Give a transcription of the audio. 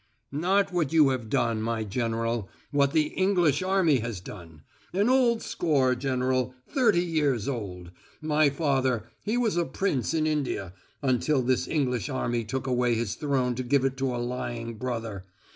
"Not what you have done, my General what the English army has done. An old score, General thirty years old. My father he was a prince in India until this English army took away his throne to give it to a lying brother.